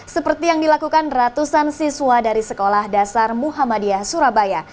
seperti yang dilakukan ratusan siswa dari sekolah dasar muhammadiyah surabaya